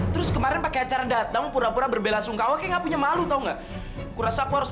terus kemarin pakai acara datang pura pura berbela sungkawa ke punya malu tahu nggak kurasa aku harus